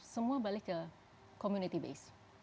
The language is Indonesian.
semua balik ke community base